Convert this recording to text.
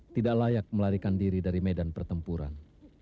tidak layak melarikan diri dari medan pertempuran